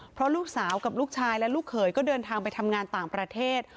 เพราะลูกสาวกับลูกชายและลูกเขยก็เดินทางไปทำงานต่างประเทศ